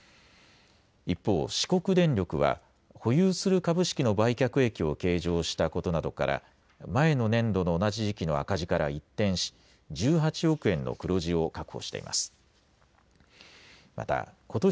一方、四国電力は、保有する株式の売却益を計上したことなどから、前の年度の同じ時期の赤字から一転し、１８億円の黒字を確保しています。